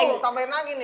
udah penang ini